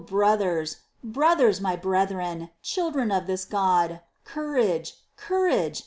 O brothers, brothers, my brethren, children of this God, courage ! courage